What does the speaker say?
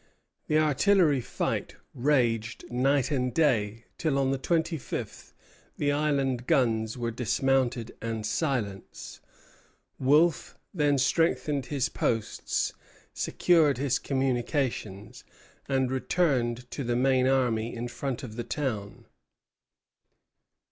The artillery fight raged night and day; till on the twenty fifth the island guns were dismounted and silenced. Wolfe then strengthened his posts, secured his communications, and returned to the main army in front of the town.